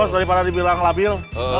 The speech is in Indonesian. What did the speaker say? tadi pada dibilang labil